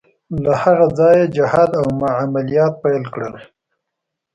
له هغه ځایه یې جهاد او عملیات پیل کړل.